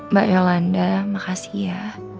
mbak yolanda makasih ya